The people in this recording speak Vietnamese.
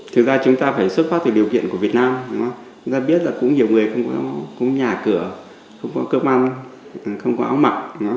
thực ra chúng ta phải xuất phát từ điều kiện của việt nam chúng ta biết là cũng nhiều người không có nhà cửa không có cơm ăn không có áo mặc